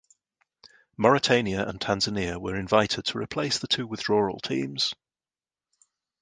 Mauritania and Tanzania were invited to replace the two withdrawal teams.